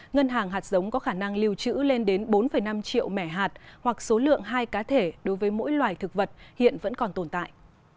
ngân hàng hạt giống có khả năng lưu trữ lên đến bốn năm triệu mẻ hạt hoặc số lượng hai cá thể đối với mỗi loài thực vật hiện vẫn còn tồn tại